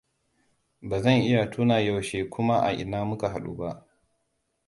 Ba zan iya tuna yaushe kuma a ina muka hadu ba.